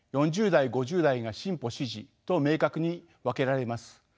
４０代５０代が進歩支持と明確に分けられます。